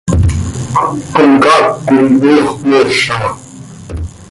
Comcaac coi ox mooza.